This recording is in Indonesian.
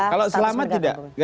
kalau selamat tidak